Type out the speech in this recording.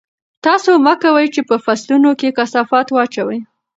تاسو مه کوئ چې په فصلونو کې کثافات واچوئ.